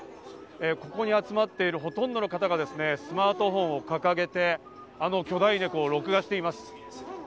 ここに集まっているほとんどの方がスマートフォンを掲げてあの巨大ネコを録画しています。